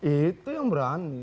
itu yang berani